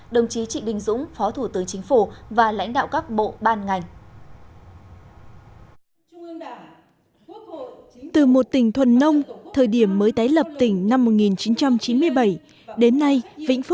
đồng chí trịnh đình dũng phó thủ tướng chính phủ và lãnh đạo các bộ ban ngành